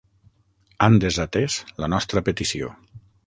Han desatès la nostra petició.